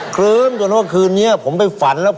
เคล้อหมดเลยคืนนี้ผมไปฝันแล้ว